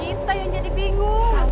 kita yang jadi bingung